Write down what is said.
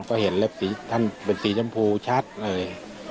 ก็เห็นเล็บสีท่านเป็นสีชมพูชัดเลย